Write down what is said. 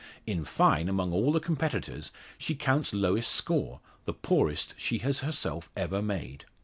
In fine, among all the competitors, she counts lowest score the poorest she has herself ever made.